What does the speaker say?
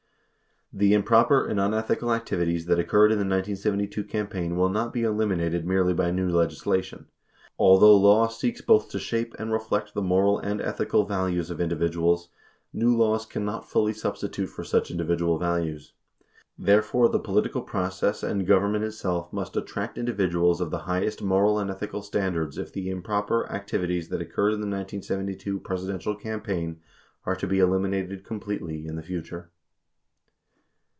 The improper and unethical activities that occurred in the 1972 campaign will not be eliminated merely by new legislation. Although law seeks both to shape and reflect the moral and ethical values of individuals, new laws cannot fully substitute for such individual values. Therefore the political process and government itself must attract individuals of the highest moral and ethical stand ards if the improper activities that occurred in the 1972 Presidential campaign are to be eliminated completely in the future.